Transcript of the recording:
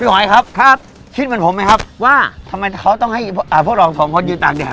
หอยครับครับคิดเหมือนผมไหมครับว่าทำไมเขาต้องให้อ่าพวกเราสองคนยืนตากแดด